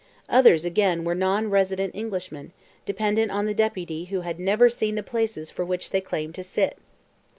Others, again, were non resident Englishmen, dependent on the Deputy who had never seen the places for which they claimed to sit.